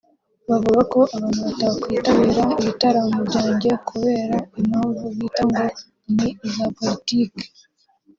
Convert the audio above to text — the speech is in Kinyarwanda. bavuga ko abantu batakwitabira ibitaramo byanjye kubera impamvu bita ngo ni iza politike